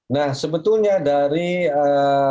nah sebetulnya dari ee